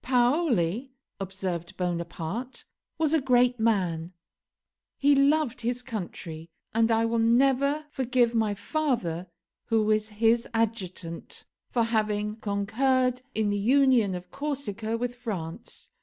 "Paoli," observed Bonaparte, "was a great man; he loved his country; and I will never forgive my father, who was his adjutant, for having concurred in the union of Corsica with France.